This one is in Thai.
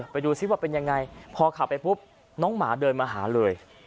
ไปดูซิว่าเป็นยังไงพอขับไปปุ๊บน้องหมาเดินมาหาเลย